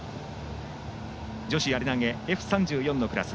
女子やり投げＦ３４のクラス。